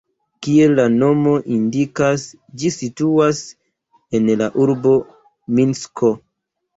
Kiel la nomo indikas, ĝi situas en la urbo Minsko.